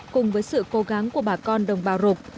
cùng với sự cố gắng của bà con đồng bào rục